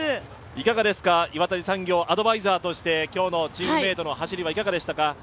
いかがですか、岩谷産業、アドバイザーとして今日のチームメートの走りはいかがでしたか？